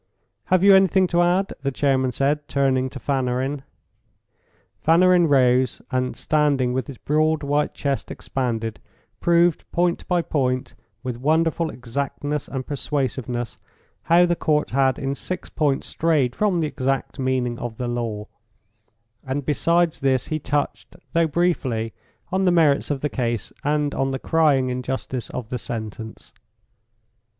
"Have you anything to add?" the chairman said, turning to Fanarin. Fanarin rose, and standing with his broad white chest expanded, proved point by point, with wonderful exactness and persuasiveness, how the Court had in six points strayed from the exact meaning of the law; and besides this he touched, though briefly, on the merits of the case, and on the crying injustice of the sentence.